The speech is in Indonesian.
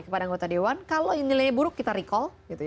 kepada anggota dewan kalau nilai buruk kita recall